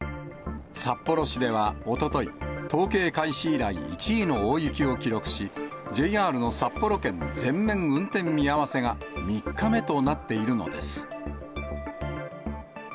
札幌市ではおととい、統計開始以来１位の大雪を記録し、ＪＲの札幌圏全面運転見合わせが３日目となっているのです。